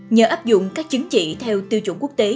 nhờ áp dụng các chứng chỉ theo tiêu chuẩn quốc tế